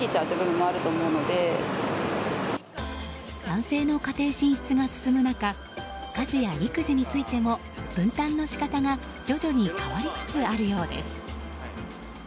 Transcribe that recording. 男性の家庭進出が進む中家事や育児についても分担の仕方が徐々に変わりつつあるようです。